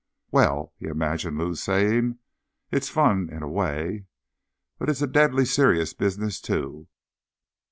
_ "Well," he imagined Lou saying, "it is fun, in away. But it's a deadly serious business, too."